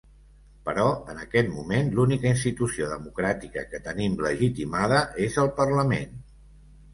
Però en aquest moment l’única institució democràtica que tenim legitimada és el parlament.